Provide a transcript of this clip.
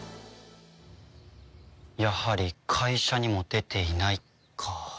やはり会社にも出ていないか。